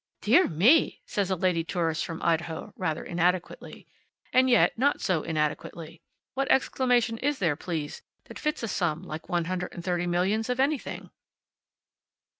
"Dear me!" says a lady tourist from Idaho, rather inadequately. And yet, not so inadequately. What exclamation is there, please, that fits a sum like one hundred and thirty millions of anything?